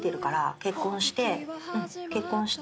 結婚して。